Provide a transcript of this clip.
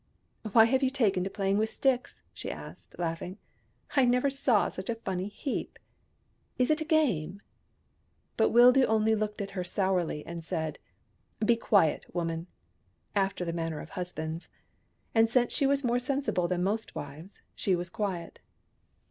" Why have you taken to playing with sticks ?" she asked, laughing. " I never saw such a funny heap. Is it a game ?" But Wildoo only looked at her sourly, and said, " Be quiet, woman !" after the manner of husbands : and since she was more sensible than most wives, she was quiet.